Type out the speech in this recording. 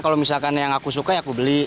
kalau misalkan yang aku suka ya aku beli